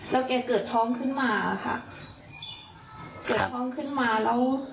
แล้วแกเกิดท้องขึ้นมาค่ะเกิดท้องขึ้นมาแล้ว